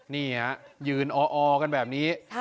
นี่ฮะยืนออกันแบบนี้